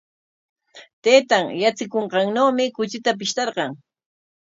Taytan yatsikunqannawmi kuchita pishtarqan.